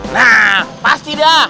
nah pasti dah